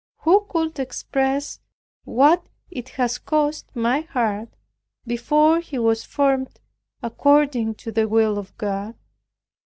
Who could express what it has cost my heart before he was formed according to the will of God?